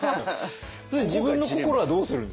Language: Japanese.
それ自分の心はどうするんです？